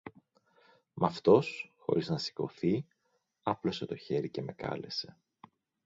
Μ' αυτός, χωρίς να σηκωθεί, άπλωσε το χέρι και με κάλεσε.